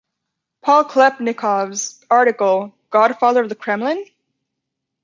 Paul Klebnikov's article Godfather of the Kremlin?